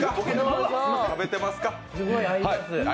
すごい合います。